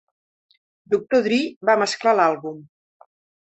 Doctor Dre va mesclar l'àlbum.